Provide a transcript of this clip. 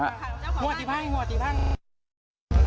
หัวจีบห้างหัวจีบห้างจ้าของบ้านเป็นผู้หญิงค่ะ